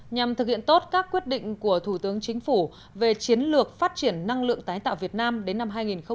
nhằm thực hiện tốt các quyết định của thủ tướng chính phủ về chiến lược phát triển năng lượng tái tạo việt nam đến năm hai nghìn ba mươi